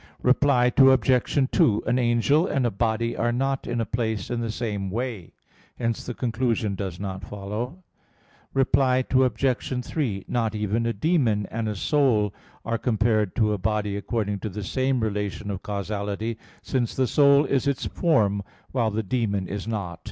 Reply Obj. 2: An angel and a body are not in a place in the same way; hence the conclusion does not follow. Reply Obj. 3: Not even a demon and a soul are compared to a body according to the same relation of causality; since the soul is its form, while the demon is not.